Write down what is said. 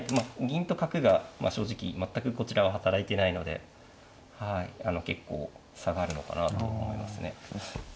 銀と角が正直全くこちらは働いてないので結構差があるのかなと思いますね。